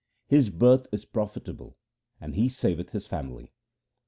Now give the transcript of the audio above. His birth is profitable, and he saveth his family.